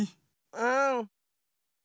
うん。